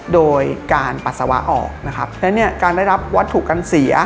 โดยการปัสสาวะออกนะครับและเนี่ยการได้รับวัตถุกันเสีย